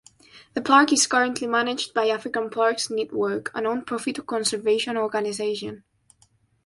The park is currently managed by African Parks Network, a non-profit conservation organisation.